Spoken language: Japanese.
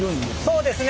そうですね。